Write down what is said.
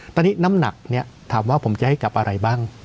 ตอนนี้น้ำหนักเนี่ยถามว่าผมจะให้กับอะไรบ้าง